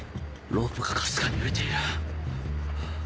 ロープがかすかに揺れている。